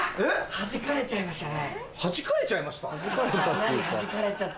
弾かれちゃいましたね。